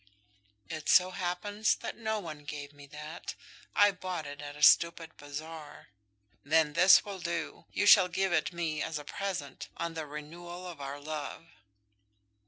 "It so happens that no one gave me that; I bought it at a stupid bazaar." "Then this will do. You shall give it me as a present, on the renewal of our love."